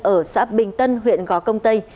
ở xã bình tân huyện gó công tây